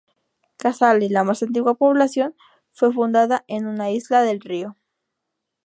Casale, la más antigua población, fue fundada en una isla del río.